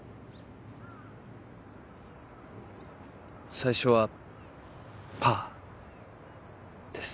最初はパーです。